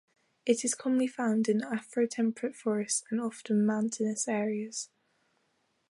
It is commonly found in afro-temperate forests and often in mountainous areas.